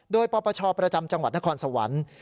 โดยปปชประจำจังหวัดนครสวรรค์